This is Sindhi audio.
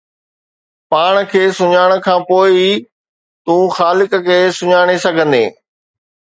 پاڻ کي سڃاڻڻ کان پوءِ ئي تون خالق کي سڃاڻي سگهندين